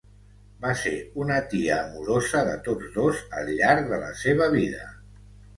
Va ser una tia amorosa de tots dos al llarg de la seva vida.